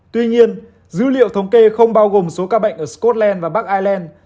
tuy nhiên dữ liệu thống kê không bao gồm số ca bệnh ở scotland và bắc ireland